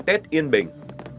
tết yên bình